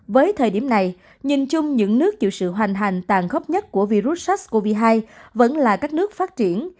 với thời điểm này nhìn chung những nước chịu sự hoành hành tàn khốc nhất của virus sars cov hai vẫn là các nước phát triển